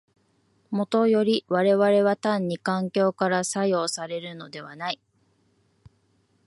もとより我々は単に環境から作用されるのではない。